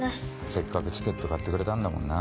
せっかくチケット買ってくれたんだもんな。